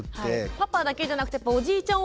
パパだけじゃなくておじいちゃん